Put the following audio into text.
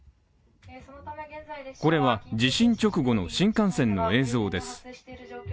これは、地震直後の新幹線の映像です。